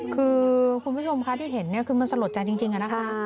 คือคุณผู้ชมที่เห็นมันสะโหลดใจจริงค่ะ